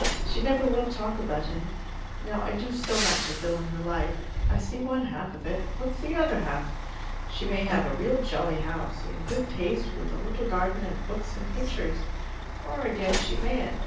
She never will talk about him. Now I do so want to fill in her life. I see one half of it. What's the other half? She may have a real jolly house, in good taste, with a little garden and books, and pictures. Or, again, she mayn't.